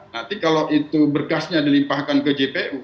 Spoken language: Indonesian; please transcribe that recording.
nanti kalau itu berkasnya dilimpahkan ke jpu